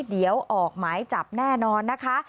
เดี๋ยวออกหมายจับแน่นอนนะคะ